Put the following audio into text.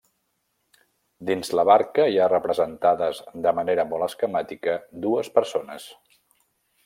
Dins la barca hi ha representades de manera molt esquemàtica dues persones.